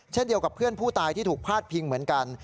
เช่นเดียวกับเพื่อนผู้ตายที่ถูกพาดพิงเหมือนกัน